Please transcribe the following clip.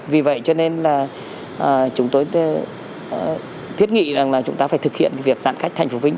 vì vậy cho nên là chúng tôi thiết nghị là chúng ta phải thực hiện việc giãn cách thành phố vĩnh